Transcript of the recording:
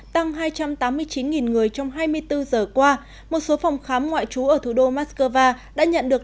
tăng hai trăm tám mươi chín người trong hai mươi bốn giờ qua một số phòng khám ngoại trú ở thủ đô moscow đã nhận được